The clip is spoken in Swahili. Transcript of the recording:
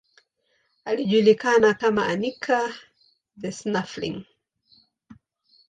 Alijulikana kama Anica the Snuffling.